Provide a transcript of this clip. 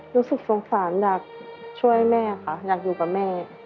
รู้สึกสงสารอยากช่วยแม่ค่ะอยากอยู่กับแม่